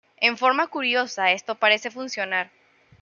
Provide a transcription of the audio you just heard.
En forma curiosa, esto parece funcionar.